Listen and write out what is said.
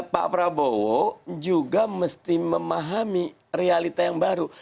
pak prabowo juga mesti memahami realita yang baru